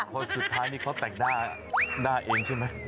เพราะสุดท้ายนี่เขาแตกหน้าเองใช่ไหม